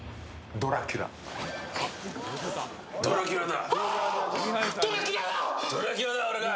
ドラキュラだ。